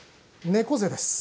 猫背です。